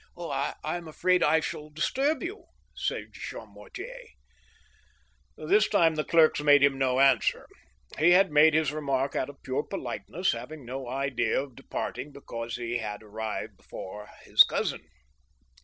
" I am afraid I shall disturb you," said Jean Mortier." This time the clerks made him no answer. He had made his remark out of pure politeness, having no idea of departing because THE OVERTURE. 5 he had arrived before his cousin.